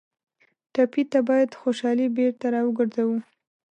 ټپي ته باید خوشالي بېرته راوګرځوو.